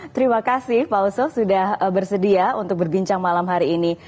terima kasih pak oso sudah bersedia untuk berbincang malam hari ini